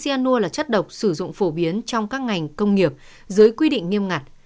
cyanur là chất độc sử dụng phổ biến trong các ngành công nghiệp dưới quy định nghiêm ngặt